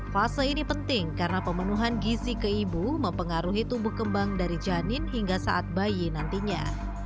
fase ini penting karena pemenuhan gizi ke ibu mempengaruhi tumbuh kembang dari janin hingga saat bayi nantinya